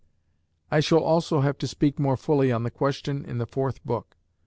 I shall also have to speak more fully on the question in the Fourth Book.